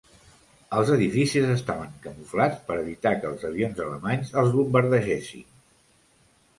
Els edificis estaven camuflat per evitar que els avions alemanys els bombardegessin.